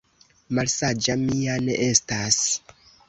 Malsaĝa mi ja ne estas!